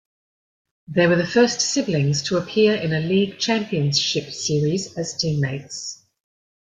They were the first siblings to appear in a League Championship Series as teammates.